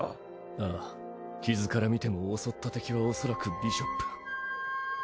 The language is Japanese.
ああ傷から見ても襲った敵はおそらくビショップ。